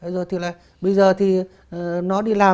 bây giờ thì nó đi làm